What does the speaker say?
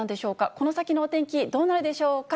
この先のお天気、どうなるでしょうか。